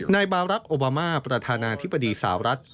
นายบารักษ์โอบามาประธานาธิบดีสาวรัฐ